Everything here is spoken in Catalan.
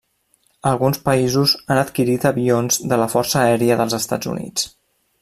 Alguns països han adquirit avions de la Força Aèria dels Estats Units.